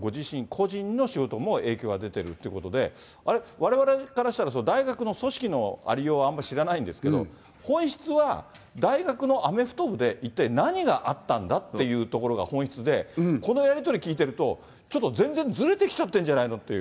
個人の仕事も影響が出てるということで、あれ、われわれからしたら大学の組織のありようをあんまり知らないんですけれども、本質は大学のアメフト部で一体何があったんだっていうところが本質で、このやり取り聞いてると、ちょっと全然ずれてきちゃってるんじゃないのっていう。